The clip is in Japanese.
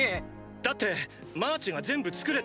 だってマーチが全部作れって。